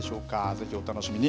ぜひお楽しみに。